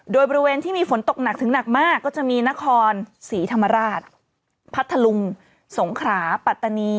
โดยบริเวณที่มีฝนตกหนักถึงหนักมากก็จะมีนครศรีธรรมราชพัทธลุงสงขราปัตตานี